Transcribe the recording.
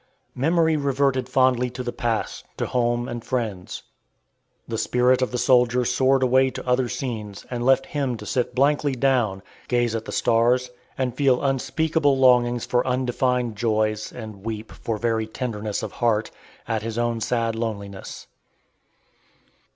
Memory reverted fondly to the past, to home and friends. The spirit of the soldier soared away to other scenes, and left him to sit blankly down, gaze at the stars, and feel unspeakable longings for undefined joys, and weep, for very tenderness of heart, at his own sad loneliness.